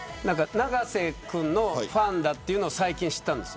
永瀬君のファンだというのを最近知ったんです。